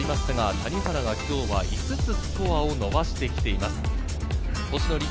谷原は今日５つスコアを伸ばしてきています。